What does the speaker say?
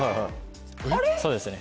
そうですね